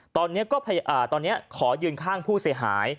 ตอนนี้ขอยืนข้างผู้เสียหาย